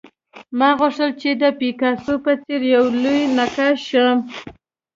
ما غوښتل چې د پیکاسو په څېر لوی نقاش شم